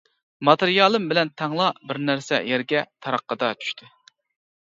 ماتېرىيالىم بىلەن تەڭلا بىر نەرسە يەرگە تاراققىدە چۈشتى.